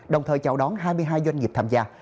đồng thời chào đón hai mươi hai doanh nghiệp tham gia